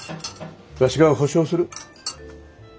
わしが保証する。